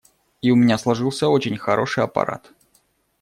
И у меня сложился очень хороший аппарат.